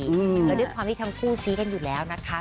แล้วด้วยความที่ทั้งคู่ซี้กันอยู่แล้วนะคะ